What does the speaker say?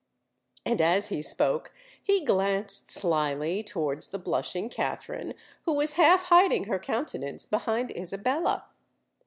And as he spoke, he glanced slily towards the blushing Katherine, who was half hiding her countenance behind Isabella.